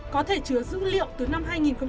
có thể chứa dữ liệu từ năm hai nghìn một mươi